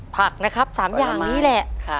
ผักนะครับ๓อย่างนี้แหละ